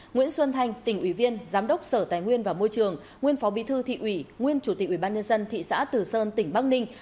nguyễn xuân thanh tỉnh ủy viên giám đốc sở tài nguyên và môi trường nguyên phó bí thư thị ủy nguyên chủ tịch ủy ban nhân dân thị xã từ sơn tỉnh bắc ninh